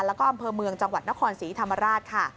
แล้วก็อำเภอเมืองจังหวัดนครศรีธรรมราชค่ะ